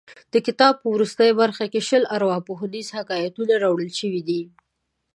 د کتاب په وروستۍ برخه کې شل ارواپوهنیز حکایتونه راوړل شوي دي.